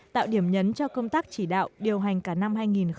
tạo điểm nhấn cho công tác chỉ đạo điều hành cả năm hai nghìn hai mươi